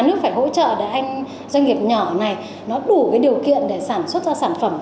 nước phải hỗ trợ để anh doanh nghiệp nhỏ này nó đủ cái điều kiện để sản xuất ra sản phẩm